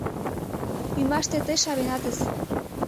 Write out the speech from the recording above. Ӱмаште тый шавенатыс.